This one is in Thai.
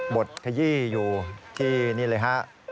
ดขยี้อยู่ที่นี่เลยฮะ